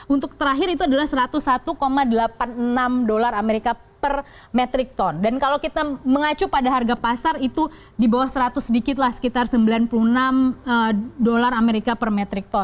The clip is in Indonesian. untuk terakhir itu adalah satu ratus satu delapan puluh enam dolar amerika per metrik ton dan kalau kita mengacu pada harga pasar itu di bawah seratus sedikit lah sekitar sembilan puluh enam dolar amerika per metrik ton